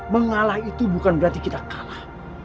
mengalah itu bukan berarti kita kalah